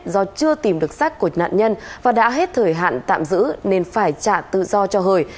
do chưa tìm được sách của nạn nhân và đã hết thời hạn tạm giữ nên phải trả tự do cho hời